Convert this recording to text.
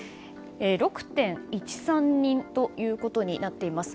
６．１３人ということになっています。